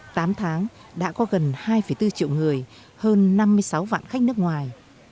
tám tháng đã có gần hai bốn triệu người hơn năm mươi sáu vạn khách nước ngoài